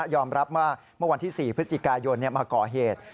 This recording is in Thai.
อมรับว่าเมื่อวันที่๔พฤศจิกายนมาก่อเหตุ